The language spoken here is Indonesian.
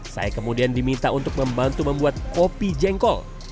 saya kemudian diminta untuk membantu membuat kopi jengkol